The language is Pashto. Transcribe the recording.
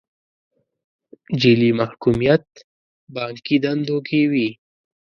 جعلي محکوميت بانکي دندو کې وي.